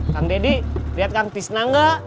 kang deddy liat kang tisna enggak